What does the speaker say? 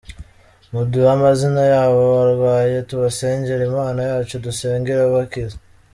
muduhe amazina yabo barwaye tubasengere Imana yacu dusenga irabakiza.